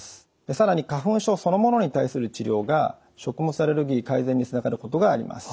更に花粉症そのものに対する治療が食物アレルギー改善につながることがあります。